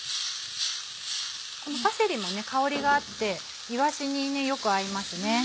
このパセリも香りがあっていわしによく合います。